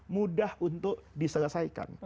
mudah untuk diselesaikan